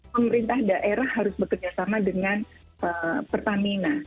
pemerintah daerah harus bekerjasama dengan pertamina